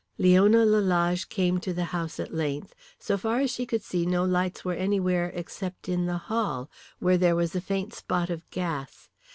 Leona Lalage came to the house at length. So far as she could see no lights were anywhere except in the hall, where there was a faint spot of gas.